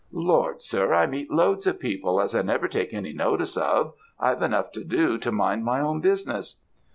"'Lord, sir, I meet loads of people as I never take any notice of. I've enough to do to mind my own business.'